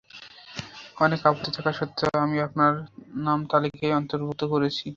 অনেক আপত্তি থাকা সত্ত্বেও আমি আপনার নাম তালিকায় অন্তর্ভুক্ত করেছি।